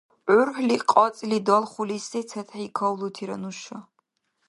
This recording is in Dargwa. УрхӀли кьацӀли далхули сецадхӀи кавлутира нуша?